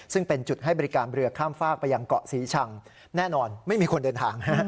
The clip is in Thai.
ซึ่งเป็นจุดให้บริการเรือข้ามฝากไปยังเกาะศรีชังแน่นอนไม่มีคนเดินทาง